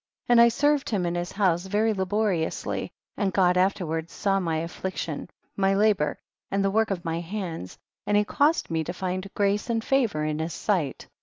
4. And I served him in his house very laboriously, and God afterward saw my affliction, my labor and the work of my hands, and he caused me to find grace and favor in his sight.